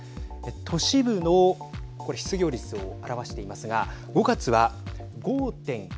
都市部のこれ失業率を表していますが５月は５．９％。